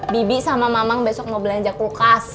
bibi sama mamang besok mau belanja kulkas